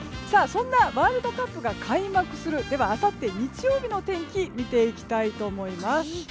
そんなワールドカップが開幕するあさって日曜日の天気を見ていきたいと思います。